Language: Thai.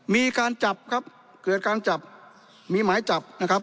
มีการจับครับเกิดการจับมีหมายจับนะครับ